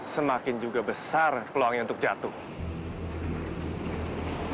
semakin juga besar peluangnya untuk jatuh